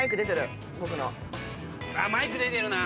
マイク出てるな！